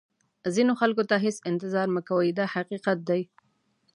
ځینو خلکو ته هېڅ انتظار مه کوئ دا حقیقت دی.